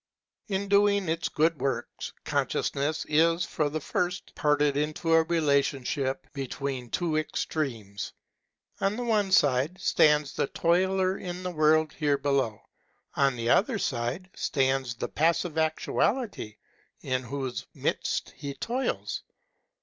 In doing its good works, consciousness is, for the first, parted into a relationship between two extremes. On one side stands the toiler in the world here below ; on the other side stands the passive actuality in whose midst he toils.